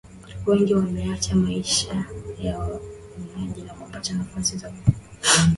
wengi wameacha maisha ya wahamaji na kupata nafasi za kuwajibika katika biashara na serikali